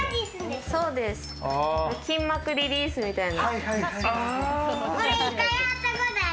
筋膜リリースみたいな。